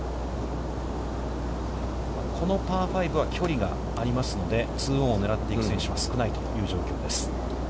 このパー５は、距離がありますのでツーオンを狙っていく選手は少ないという状況です。